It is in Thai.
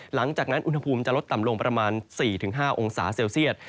หลังจากนั้นอุณหภูมิจะลดต่ำลงประมาณ๔๕องศาเซลเซียต